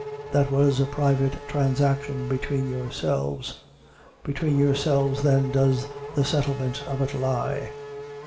That was a private transaction between yourselves; between yourselves, then, does the settlement of it lie."